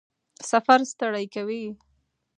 سفر ستړی کوي؟